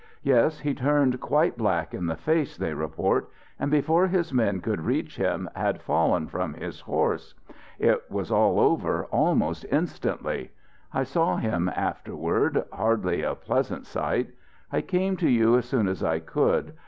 Yes, he turned quite black in the face, they report, and before his men could reach him had fallen from his horse. It was all over almost instantly. I saw him afterward, hardly a pleasant sight. I came to you as soon as I could.